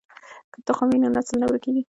که تخم وي نو نسل نه ورکېږي.